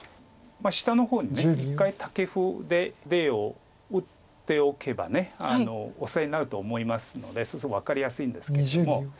下の方に一回タケフで出を打っておけばオサエになると思いますのでそうすると分かりやすいんですけれども。